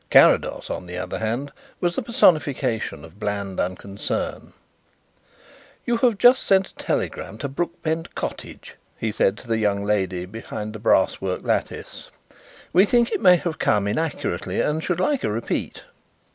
Carrados, on the other hand, was the personification of bland unconcern. "You have just sent a telegram to Brookbend Cottage," he said to the young lady behind the brasswork lattice. "We think it may have come inaccurately and should like a repeat."